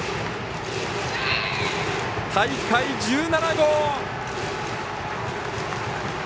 大会１７号！